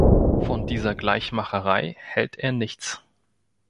Von dieser Gleichmacherei hält er nichts.